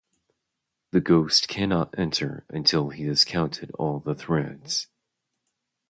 The ghost cannot enter until he has counted all the threads.